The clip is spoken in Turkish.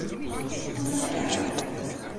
Bana ne verdin?